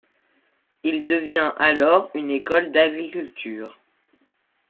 Il devient alors une école d'agriculture.